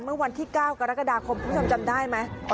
เมื่อวันที่๙กรกฎาคมคุณผู้ชมจำได้ไหม